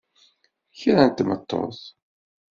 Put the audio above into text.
Kra n tmeṭṭut!